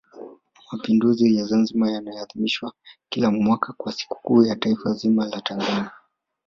mapinduzi ya Zanzibar yanaadhimishwa kila mwaka kama sikukuu ya taifa zima la Tanzania